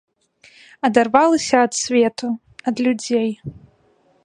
Адарвалася ад свету, ад людзей.